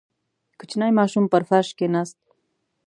• کوچنی ماشوم پر فرش کښېناست.